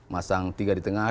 masang tiga di tengah